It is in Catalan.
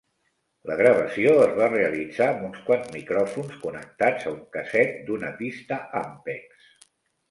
La gravació es va realitzar amb uns quants micròfons connectats a un casset d'una pista Ampex.